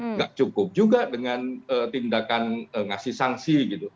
nggak cukup juga dengan tindakan ngasih sanksi gitu